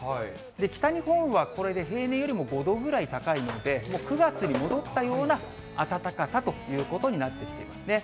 北日本はこれで平年よりも５度ぐらい高いので、９月に戻ったような暖かさということになってきていますね。